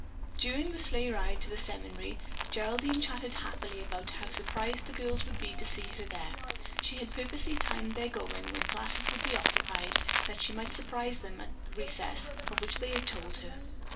During the sleigh ride to the seminary Geraldine chatted happily about how surprised the girls would be to see her there. She had purposely timed their going, when classes would be occupied, that she might surprise them at the recess of which they had told her.